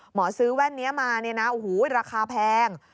หมอซื้อแว่นนี้มาเนี่ยนะโอ้โหราคาแพง